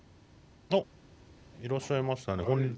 あっいらっしゃいましたねこんにちは。